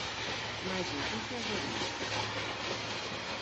Máis noticias do día.